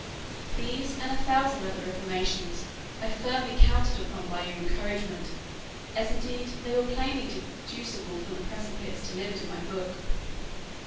These, and a thousand other reformations, I firmly counted upon by your encouragement; as indeed they were plainly deducible from the precepts delivered in my book.